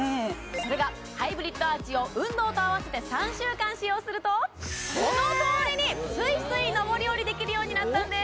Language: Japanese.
それがハイブリッドアーチを運動と併せて３週間使用するとこのとおりにスイスイ上り下りできるようになったんです